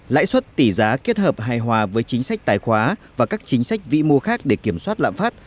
lãi suất tỷ giá kết hợp hài hòa với chính sách tài khoá và các chính sách vĩ mô khác để kiểm soát lãm phát